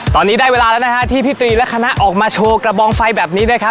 ตอนนี้ได้เวลาแล้วนะฮะที่พี่ตรีและคณะออกมาโชว์กระบองไฟแบบนี้นะครับ